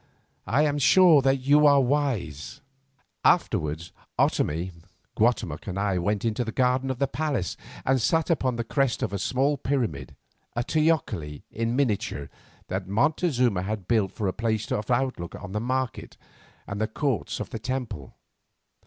"I am sure that you are wise." Afterwards Otomie, Guatemoc, and I went into the garden of the palace and sat upon the crest of a small pyramid, a teocalli in miniature that Montezuma had built for a place of outlook on the market and the courts of the temple.